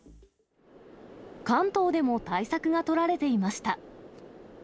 関東でも対策が取られていました。